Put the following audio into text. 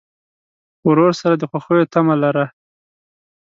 ورور سره د خوښیو تمه لرې.